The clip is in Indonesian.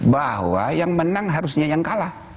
bahwa yang menang harusnya yang kalah